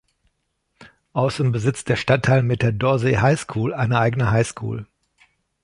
Außerdem besitzt der Stadtteil mit der "Dorsey High School" eine eigene High School.